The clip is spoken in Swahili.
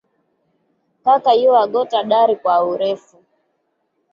Kaka yuagota dari kwa urefu